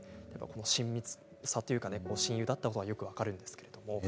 親密さというか親友だったことがよく分かるんですけど。